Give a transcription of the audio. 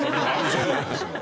そうなんですよ。